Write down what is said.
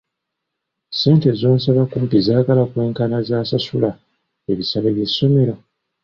Ssente z'onsaba kumpi zaagala kwenkana z’asaasula ebisale by'essomero!